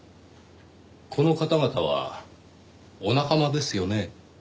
この方々はお仲間ですよね？